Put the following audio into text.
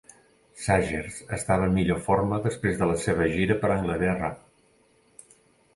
Saggers estava en millor forma després de la seva gira per Anglaterra.